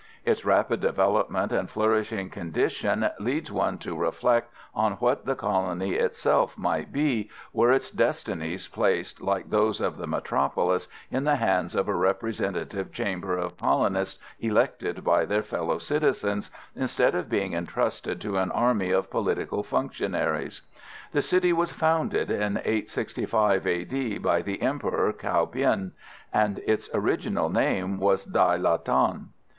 Its rapid development and flourishing condition leads one to reflect on what the colony itself might be were its destinies placed, like those of the metropolis, in the hands of a representative chamber of colonists elected by their fellow citizens, instead of being entrusted to an army of political functionaries. The city was founded in 865 A.D. by the Emperor Cao bien, and its original name was Dai la Thanh.